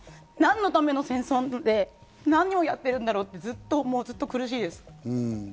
何のための戦争で何をやっているんだろうってずっともう苦しいです。